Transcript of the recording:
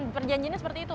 perjanjiannya seperti itu